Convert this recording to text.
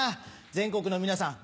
全国の皆さん